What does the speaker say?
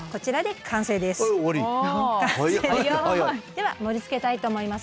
では盛りつけたいと思います。